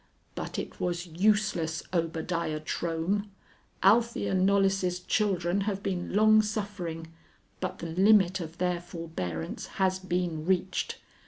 But it was useless, Obadiah Trohm. Althea Knollys' children have been long suffering, but the limit of their forbearance has been reached.